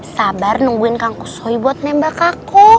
sabar nungguin kang kusoy buat nembak aku